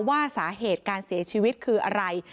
ว่าสาเหตุการเสียชีวิตคืออะไร